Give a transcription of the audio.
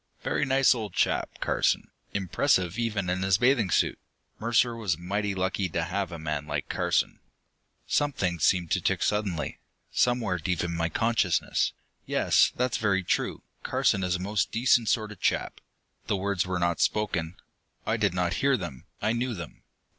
Very nice old chap, Carson, impressive even in his bathing suit. Mercer was mighty lucky to have a man like Carson.... Something seemed to tick suddenly, somewhere deep in my consciousness. "Yes, that's very true: Carson is a most decent sort of chap." The words were not spoken. I did not hear them, I knew them.